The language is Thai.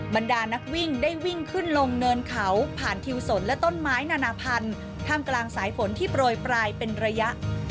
บรรดานักวิ่งได้วิ่งขึ้นลงเนินเขาผ่านทิวสนและต้นไม้นานาพันธ์ท่ามกลางสายฝนที่โปรยปลายเป็นระยะ